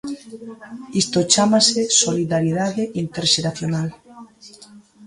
Isto chámase solidariedade interxeracional.